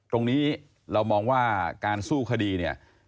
ตรงนี้เรามองว่าการสู้คดีเนี่ย